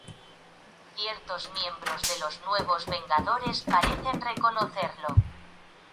Ciertos miembros de los Nuevos Vengadores parecen reconocerlo.